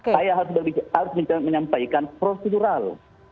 saya harus menyampaikan prosedural